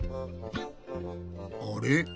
あれ？